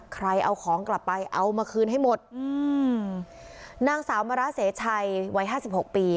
ใครเอาของกลับไปเอามาคืนให้หมดอืมนางสาวมราเสชัยวัยห้าสิบหกปี